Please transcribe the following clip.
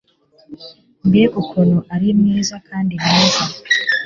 mbega ukuntu ari mwiza kandi mwiza